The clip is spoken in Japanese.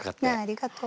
ありがとう。